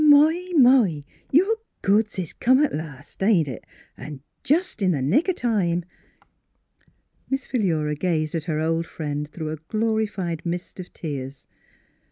" My, my ! Your goods is come at last, ain't it, an' jest in the nick o' time !" Miss Philura gazed at her old friend •j through a glorified mist of tears.